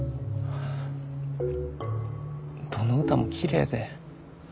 どの歌もきれいで。